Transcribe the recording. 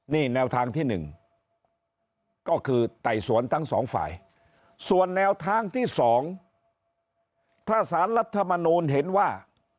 นี่แนวทางที่๑ก็คือไต่สวนทั้งสองฝ่ายส่วนแนวทางที่๒ถ้าสารรัฐมนูลเห็นว่า